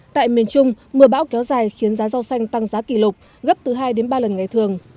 tại miền trung mưa bão kéo dài khiến giá rau xanh tăng giá kỷ lục gấp từ hai đến ba lần ngày thường